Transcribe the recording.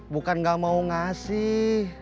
bukan gak mau ngasih